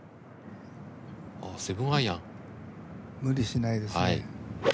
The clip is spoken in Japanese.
無理しないですね。